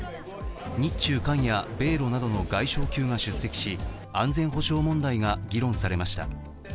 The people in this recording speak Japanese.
日中韓や米ロなどの外相級が出席し安全保障問題が議論されました。